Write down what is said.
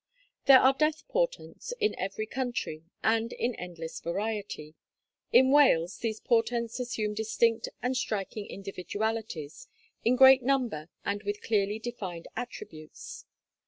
There are death portents in every country, and in endless variety; in Wales these portents assume distinct and striking individualities, in great number and with clearly defined attributes.